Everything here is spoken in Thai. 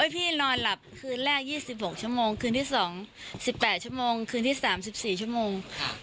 พี่นอนหลับคืนแรก๒๖ชั่วโมงคืนที่๒๑๘ชั่วโมงคืนที่๓๔ชั่วโมง